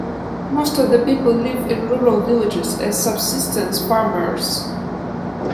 Most of the people live in rural villages as subsistence farmers.